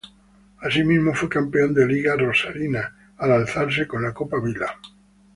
Asimismo, fue campeón de liga rosarina, al alzarse con la Copa Vila.